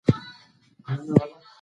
د کور تشناب منظم پاکوالی غواړي.